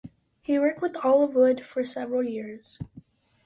He worked with olive wood for several years.